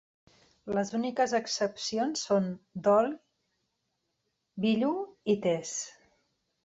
Les úniques excepcions són "Dhol", "Billu" i "Tezz".